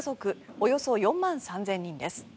およそ４万３０００人です。